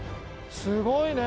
すごいね！